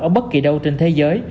ở bất kỳ đâu trên thế giới